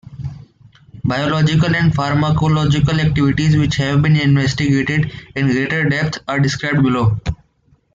Biological and pharmacological activities which have been investigated in greater depth are described below.